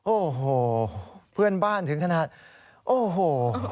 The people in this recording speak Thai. โอ้โหเพื่อนบ้านถึงขนาดโอ้โห